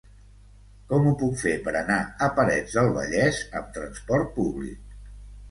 Com ho puc fer per anar a Parets del Vallès amb trasport públic?